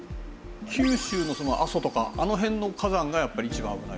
九州の阿蘇とかあの辺の火山がやっぱり一番危ない？